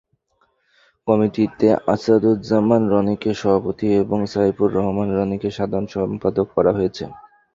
কমিটিতে আসাদুজ্জামান রনিকে সভাপতি এবং সাইফুর রহমান রনিকে সাধারণ সম্পাদক করা হয়েছে।